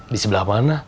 di sebelah mana